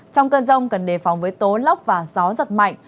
trong cơn rông cần đề phòng với tố lốc và gió giật mạnh